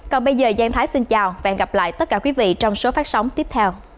còn bây giờ giang thái xin chào và hẹn gặp lại tất cả quý vị trong số phát sóng tiếp theo